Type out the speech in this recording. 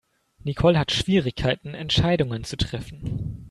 Nicole hat Schwierigkeiten Entscheidungen zu treffen.